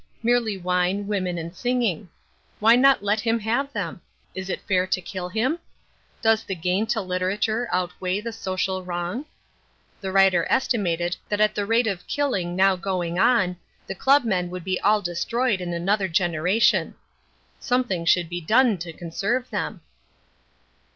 Merely wine, women and singing. Why not let him have them? Is it fair to kill him? Does the gain to literature outweigh the social wrong? The writer estimated that at the rate of killing now going on the club men would be all destroyed in another generation. Something should be done to conserve them.